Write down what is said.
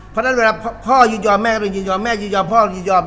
เพราะฉะนั้นเวลาพ่อยินยอมแม่ก็ยินยอมแม่ยินยอมพ่อยินยอม